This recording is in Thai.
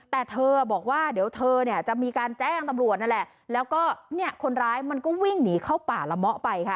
แต่เธอบอกว่าเดี๋ยวเธอเนี่ยจะมีการแจ้งตำรวจนั่นแหละแล้วก็เนี่ยคนร้ายมันก็วิ่งหนีเข้าป่าละเมาะไปค่ะ